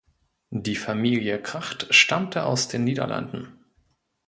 Die Familie Kracht stammte aus den Niederlanden.